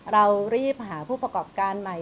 เรารีบหาผู้ประกอบการใหม่